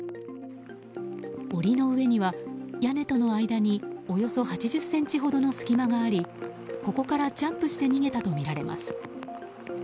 檻の上には屋根との間におよそ８０ｃｍほどの隙間がありここからジャンプして逃げたとみられます。